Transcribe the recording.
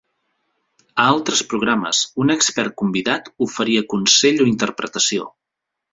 A altres programes, un expert convidat oferia consell o interpretació.